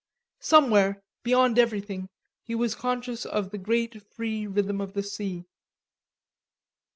Somewhere, beyond everything, he was conscious of the great free rhythm of the sea.